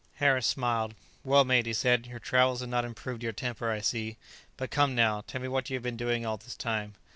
Harris smiled. "Well, mate," he said; "your travels have not improved your temper, I see. But come now, tell me what you have been doing all this time.